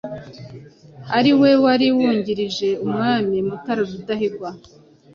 ari we wari wungirije umwami Mutara Rudahigwa.